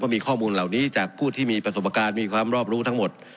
มีข้อมูลเหล่านี้จากผู้ที่มีประสบการณ์มีความรอบรู้ทั้งหมด